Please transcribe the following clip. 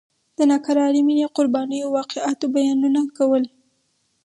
د ناکرارې مینې او قربانیو واقعاتو بیانونه کول.